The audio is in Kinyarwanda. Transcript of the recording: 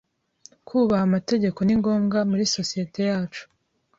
Kubaha amategeko ni ngombwa muri sosiyete yacu.